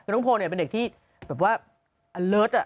น้องโพลเป็นเด็กที่แบบว่ะเลิศอ่ะ